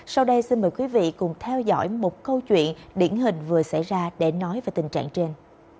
sau đây xin mời quý vị cùng theo dõi một câu chuyện điển hình vừa xảy ra để nói về tình trạng trên